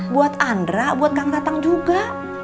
buat andra buat kang datang juga